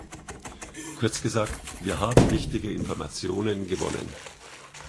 Kurz gesagt, wir haben wichtige Informationen gewonnen.